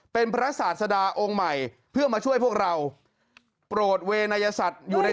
เป็นพระศาสดาองค์ใหม่เพื่อมาช่วยพวกเรา